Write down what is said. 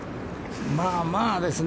まあまあですね。